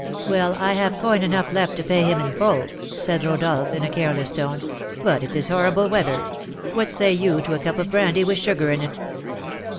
"Well, I have coin enough left to pay him in full," said Rodolph, in a careless tone; "but it is horrible weather: what say you to a cup of brandy with sugar in it?"